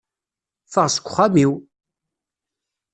Ffeɣ seg uxxam-iw!